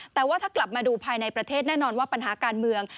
แต่ว่าถ้ากลับมาดูภายในประเทศแน่นอนว่าปัญหาการเมือง